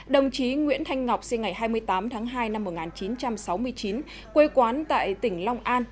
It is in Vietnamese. đồng chí nguyễn thanh ngọc sinh ngày hai mươi tám tháng hai năm một nghìn chín trăm sáu mươi chín quê quán tại tỉnh long an